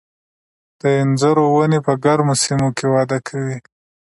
د انځرو ونې په ګرمو سیمو کې وده کوي.